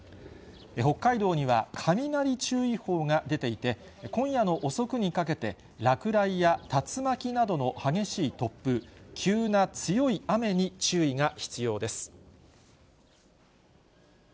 北海道には雷注意報が出ていて、今夜の遅くにかけて、落雷や竜巻などの激しい突風、急な強い雨に注意が必要です。